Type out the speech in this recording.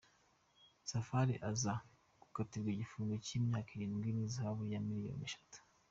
Safari aza gukatirwa igifungo cy’imyaka irindwi n’ihazabu ya miliyoni eshatu.